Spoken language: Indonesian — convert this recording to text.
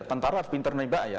tentara harus pintar ya